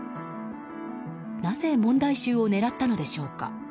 なぜ問題集を狙ったのでしょうか。